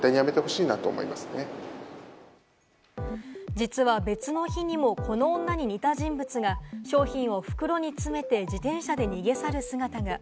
実は別の日にも、この女に似た人物が商品を袋に詰めて自転車で逃げ去る姿が。